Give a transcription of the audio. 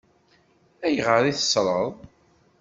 Ayɣer i t-teṣṣṛeḍ?